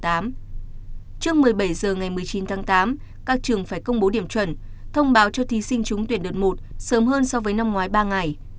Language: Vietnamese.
trước một mươi bảy h ngày một mươi chín tháng tám các trường phải công bố điểm chuẩn thông báo cho thí sinh trúng tuyển đợt một sớm hơn so với năm ngoái ba ngày